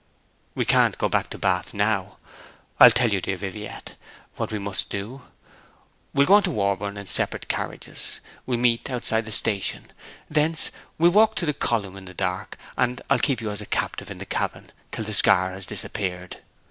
'We can't go back to Bath now. I'll tell you, dear Viviette, what we must do. We'll go on to Warborne in separate carriages; we'll meet outside the station; thence we'll walk to the column in the dark, and I'll keep you a captive in the cabin till the scar has disappeared.'